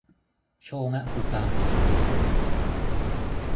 โชงะกุกัง